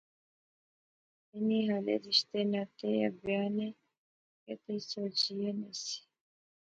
انی ہالے رشتے ناطے یا بیاہ نی کیدے سوچی ایہہ نہسی